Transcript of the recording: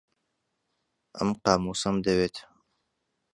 ئەم قامووسەم دەوێت.